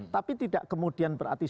tapi tidak kemudian berakhir